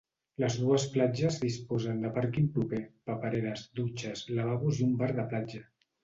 Les dues platges disposen de pàrquing proper, papereres, dutxes, lavabos i un bar de platja.